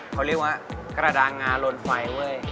เขาเรียกว่ากระดางงาลนไฟเว้ย